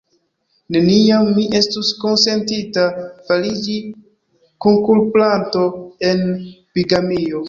Neniam mi estus konsentinta fariĝi kunkulpanto en bigamio.